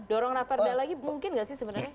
dorong rapar da lagi mungkin nggak sih sebenarnya